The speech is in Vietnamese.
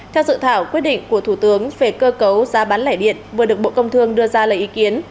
theo dự thảo quyết định của thủ tướng về cơ cấu giá bán lẻ điện vừa được bộ công thương đưa ra lời ý kiến